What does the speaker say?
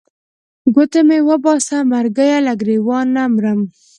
ګوتې مې وباسه مرګیه له ګرېوانه نه مرم.